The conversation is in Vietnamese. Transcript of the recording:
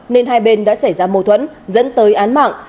nên hai bên đã xảy ra mâu thuẫn dẫn tới án mạng